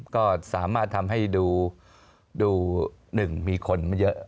ก็สามารถทำให้ดู๑มีคนเยอะ